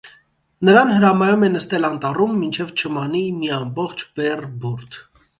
Նրան հրամայում է նստել անտառում, մինչև չմանի մի ամբողջ բեռ բուրդ։